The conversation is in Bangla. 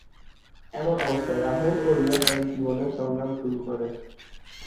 এমন অবস্থায়, রাহুল ও রিয়া তাদের জীবনে সংগ্রাম শুরু করেন।